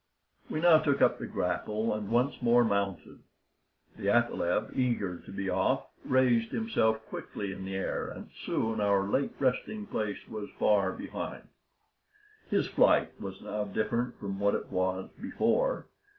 We now took up the grapple and once more mounted. The athaleb, eager to be off, raised himself quickly in the air, and soon our late resting place was far behind. His flight was now different from what it was before.